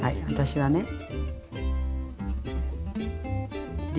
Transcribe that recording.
私はね。